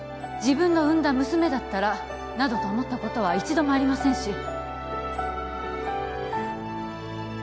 自分の産んだ娘だったらなどと思ったことは一度もありませんし